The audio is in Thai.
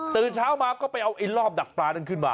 ตื่นเช้ามาก็ไปเอาไอ้รอบดักปลานั้นขึ้นมา